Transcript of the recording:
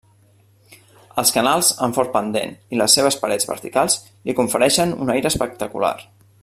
Els canals amb fort pendent i les seves parets verticals li confereixen un aire espectacular.